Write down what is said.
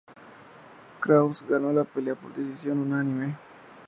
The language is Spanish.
Krauss ganó la pelea por decisión unánime.